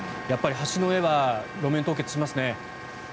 やっぱり、橋の上は路面凍結しますね。